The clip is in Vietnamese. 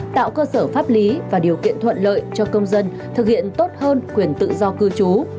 tạo cơ sở pháp lý và điều kiện thuận lợi cho công dân thực hiện tốt hơn quyền tự do cư trú